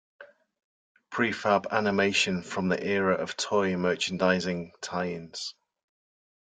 Prefab animation from the era of toy merchandising tie-ins.